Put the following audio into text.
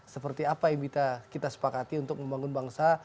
seperti apa yang kita sepakati untuk membangun bangsa